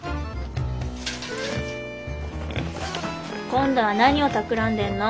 今度は何をたくらんでんの？